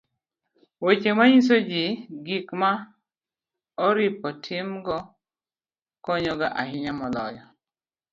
weche manyiso ji gik ma oripo timgo konyo ga ahinya to moloyo